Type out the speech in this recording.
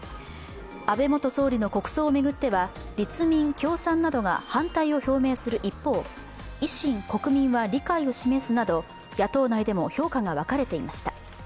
安倍元総理の国葬を巡っては立民、亀頭などが反対する一方、維新、国民は理解を示すなど野党内でも評価が分かれていました。